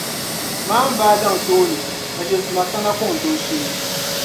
Maanvaa daŋ tooni ka ʒiɛ’ suma kana kɔŋ dooshee.